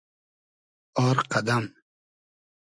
آر قئدئم